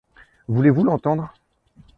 Voulez-vous l’entendre ?